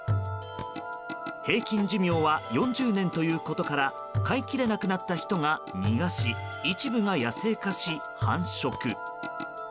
平均寿命は４０年ということから飼いきれなくなった人が逃がし一部が野生化し繁殖。